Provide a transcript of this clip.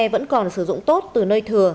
vẫn còn sử dụng tốt từ nơi thừa